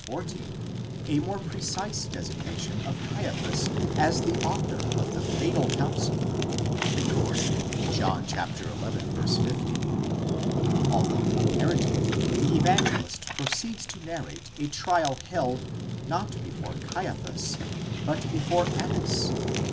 14, @ more precise designation of Caiaphas as the author of the fatal counsel, recorded in John xi. 50, although apparently the Evangelist proceeds to narrate a trial held, not before Caiaphas, but before Annas.